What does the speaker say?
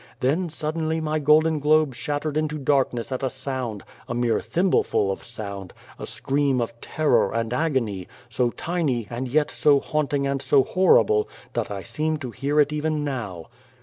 Then suddenly my golden globe shattered into darkness at a sound a mere thimbleful of sound a scream of terror and agony, so tiny and yet so haunting and so horrible, that I seem to hear it even now.